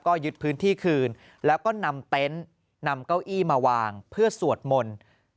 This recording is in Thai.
ก็ยึดพื้นที่คืนแล้วก็นำเต็นต์นำเก้าอี้มาวางเพื่อสวดมนต์